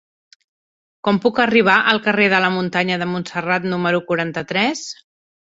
Com puc arribar al carrer de la Muntanya de Montserrat número quaranta-tres?